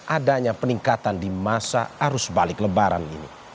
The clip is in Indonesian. adanya peningkatan di masa arus balik lebaran ini